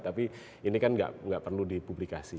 tapi ini kan nggak perlu dipublikasi